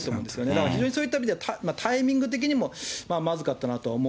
だからそういった意味では、タイミング的にもまずかったなとは思